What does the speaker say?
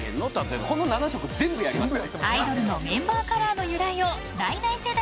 この７色全部やりました。